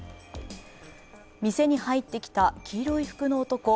店に入ってきた黄色い服の男。